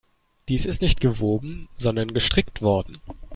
Dies ist nicht gewoben, sondern gestrickt worden.